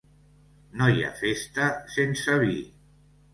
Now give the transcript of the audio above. No hi ha festa sense vi.